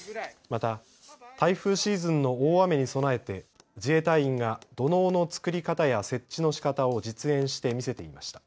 また、台風シーズンの大雨に備えて、自衛隊員が土のうの作り方や設置のしかたを実演して見せていました。